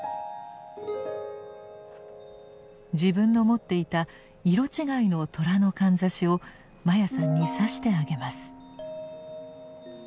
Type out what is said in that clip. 自分の持っていた色違いの寅のかんざしを真矢さんに挿してあげます。